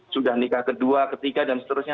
sudah nikah kedua ketiga dan seterusnya